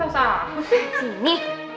sini tas aku sih